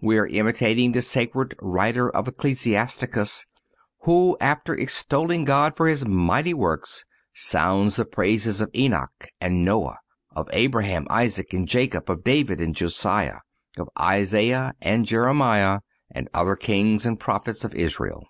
We are imitating the sacred writer of Ecclesiasticus who, after extolling God for His mighty works, sounds the praises of Enoch and Noe, of Abraham, Isaac and Jacob, of David and Josiah, of Isaiah and Jeremiah, and other Kings and Prophets of Israel.